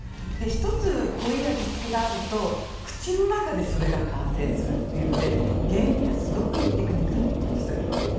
１つは濃い味付けがあると口の中でそれが完成するというので減塩にはすごくいいテクニックだと思います。